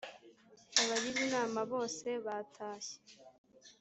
abagize inama bose batashye.